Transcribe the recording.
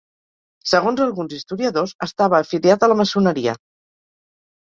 Segons alguns historiadors estava afiliat a la maçoneria.